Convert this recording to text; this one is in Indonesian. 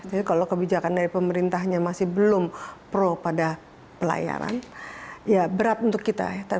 jadi kalau kebijakan dari pemerintahnya masih belum pro pada pelayaran ya berat untuk kita ya